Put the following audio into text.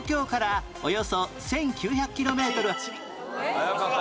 早かった。